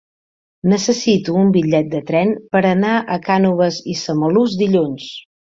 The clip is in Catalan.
Necessito un bitllet de tren per anar a Cànoves i Samalús dilluns.